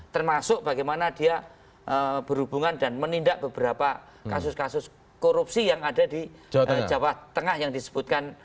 termasuk bagaimana dia berhubungan dan menindak beberapa kasus kasus korupsi yang ada di jawa tengah yang disebutkan